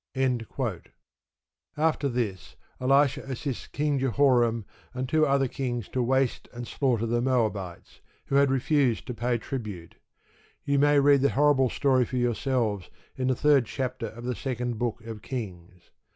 After this, Elisha assists King Jehoram and two other kings to waste and slaughter the Moabites, who had refused to pay tribute. You may read the horrible story for yourselves in the third chapter of the Second Book of Kings.